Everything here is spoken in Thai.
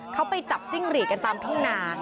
เขาไปจับจิ้งหรีดกันตามทุ่งนา